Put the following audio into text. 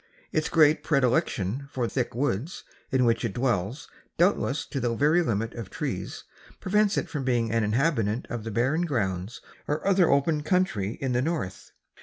Its great predilection for thick woods, in which it dwells doubtless to the very limit of trees, prevents it from being an inhabitant of the barren grounds or other open country in the north.